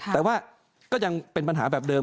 แต่ว่าก็ยังเป็นปัญหาแบบเดิม